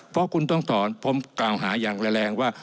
เพราะคุณต้องถอนผมกล่าวหาอย่างแรงว่า